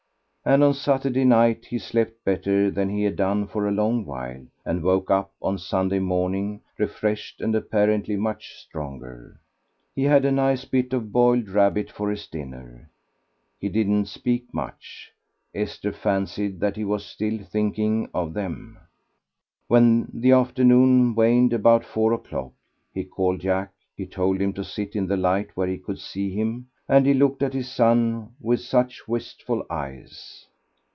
And on Saturday night he slept better than he had done for a long while and woke up on Sunday morning refreshed and apparently much stronger. He had a nice bit of boiled rabbit for his dinner. He didn't speak much; Esther fancied that he was still thinking of them. When the afternoon waned, about four o'clock, he called Jack; he told him to sit in the light where he could see him, and he looked at his son with such wistful eyes.